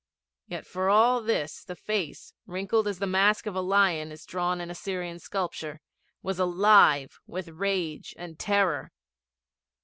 Yet for all this the face, wrinkled as the mask of a lion is drawn in Assyrian sculpture, was alive with rage and terror.